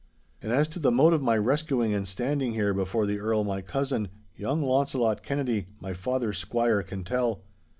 And as to the mode of my rescuing and standing here before the Earl my cousin, young Launcelot Kennedy, my father's squire, can tell.